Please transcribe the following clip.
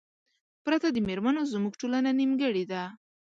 پرته د میرمنو زمونږ ټولنه نیمګړې ده